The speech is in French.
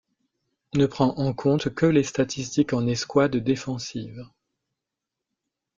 Ne prend en compte que les statistiques en escouade défensive.